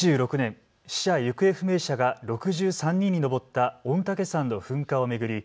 平成２６年、死者・行方不明者が６３人に上った御嶽山の噴火を巡り